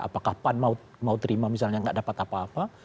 apakah pan mau terima misalnya nggak dapat apa apa